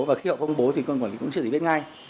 và khi họ công bố thì cơ quan quản lý cũng chưa gì biết ngay